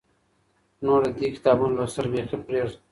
نور د دې کتابونو لوستل بیخي پرېږده.